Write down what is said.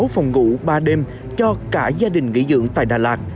sáu phòng ngủ ba đêm cho cả gia đình nghỉ dưỡng tại đà lạt